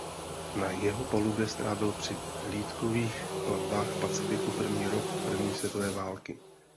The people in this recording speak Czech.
Na jeho palubě strávil při hlídkových plavbách v Pacifiku první rok první světové války.